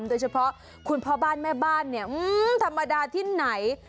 โดยเฉพาะคุณพ่อบ้านแม่บ้านเนี่ยธรรมดาที่ไหน